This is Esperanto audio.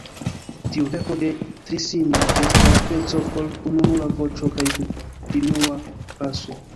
Tiu verko de Trissina estas peco por ununura voĉo kaj kontinua baso.